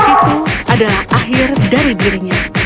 itu adalah akhir dari dirinya